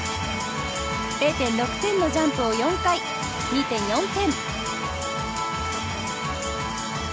０．６点のジャンプを４回、２．４点。